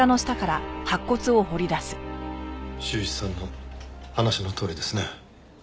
柊一さんの話のとおりですね。